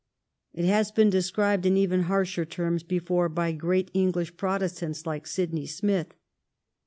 It had been described in even harsher terms before by great English Protestants like Sydney Smith.